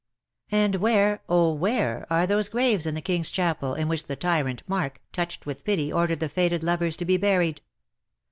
And where — oh, where — are those graves in the King^s chapel in which the tyrant Marc_, touched with pity_, ordered the fated lovers to be buried